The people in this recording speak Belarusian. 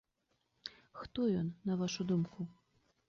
Хто ён, на вашу думку?